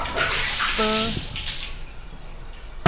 褒